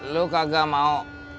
lu kagak mau